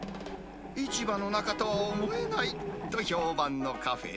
市場の中とは思えないと評判のカフェ。